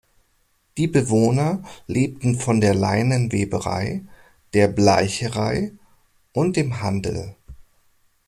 Die Bewohner lebten von der Leineweberei, der Bleicherei und dem Handel.